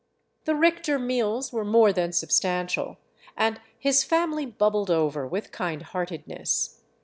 The Richter meals were more than substantial, and his family bubbled over with kind heartedness.